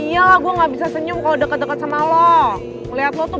iyalah gue nggak bisa senyum kalau deket deket sama lo ngeliat lu tuh